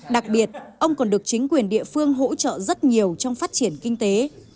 đặc biệt ông còn được chính quyền địa phương hỗ trợ rất nhiều trong phát triển kinh tế